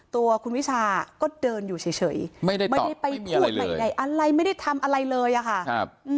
ตัวคุณวิชาก็เดินอยู่เฉยไม่ได้ไปพูดไม่ได้อะไรไม่ได้ทำอะไรเลยอะค่ะ